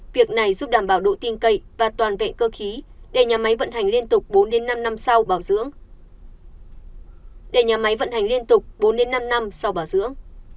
việc này giúp đảm bảo độ tiên cậy và toàn vẹn cơ khí để nhà máy vận hành liên tục bốn năm năm sau bảo dưỡng